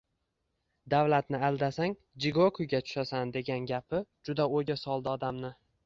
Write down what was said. Davlatni aldasang, “jigoku”ga tushasan degan gapi juda oʻyga soldi odamni.